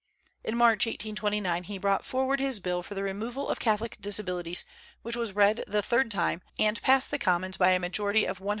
In March, 1829, he brought forward his bill for the removal of Catholic disabilities, which was read the third time, and passed the Commons by a majority of 178.